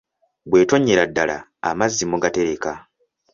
Bw'etonnyera ddala amazzi mugatereka.